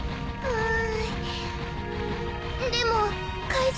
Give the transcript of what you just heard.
うん。